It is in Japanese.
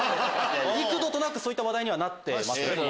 幾度となくそういった話題にはなってますけど。